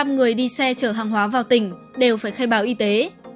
một trăm linh người đi xe chở hàng hóa vào tỉnh đều phải khai báo y tế